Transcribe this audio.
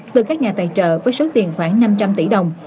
từ các nhà tài trợ với số tiền khoảng năm trăm linh tỷ đồng